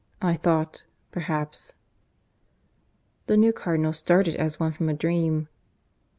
... I thought, perhaps " The new Cardinal started as one from a dream.